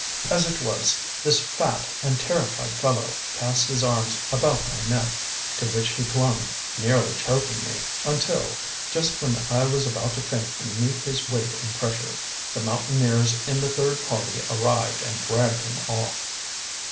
As it was, this fat and terrified fellow cast his arms about my neck, to which he clung, nearly choking me, until, just when I was about to faint beneath his weight and pressure, the Mountaineers in the third party arrived and dragged him off.